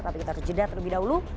tapi kita harus jeda terlebih dahulu